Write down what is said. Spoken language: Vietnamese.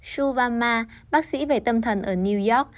su vama bác sĩ về tâm thần ở new york